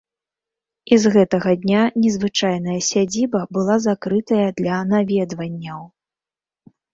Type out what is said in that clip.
І з гэтага дня незвычайная сядзіба была закрытая для наведванняў.